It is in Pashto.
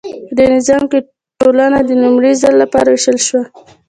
په دې نظام کې ټولنه د لومړي ځل لپاره ویشل شوه.